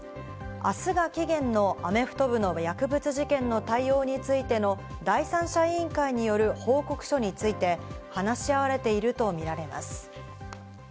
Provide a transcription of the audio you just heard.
あすが期限のアメフト部の薬物事件の対応についての第三者委員会による報告書について話し合われていると見られます。